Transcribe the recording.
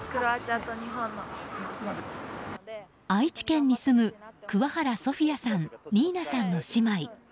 愛知県に住む桑原ソフィアさんニーナさんの姉妹。